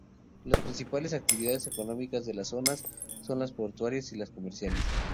Las principales actividades económicas de la zona son las portuarias y las comerciales.